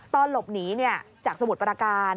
ตอนหลบหนีจากสมุทรประการ